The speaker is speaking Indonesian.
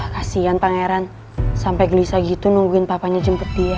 kasian pangeran sampai gelisah gitu nungguin papanya jemput dia